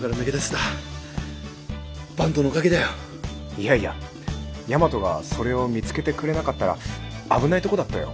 いやいや大和がそれを見つけてくれなかったら危ないとこだったよ。